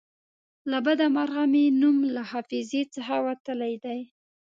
له بده مرغه مې نوم له حافظې څخه وتلی دی.